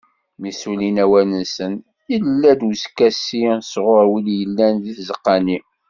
Mi ssulin awal-nsen, yella-d uskasi sɣur wid yellan deg tzeqqa-nni.